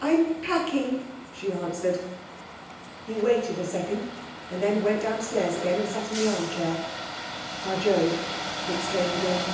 'I'm packing,' she answered. He waited a second, and then went downstairs again and sat down in the arm chair. 'By Jove!' he exclaimed again.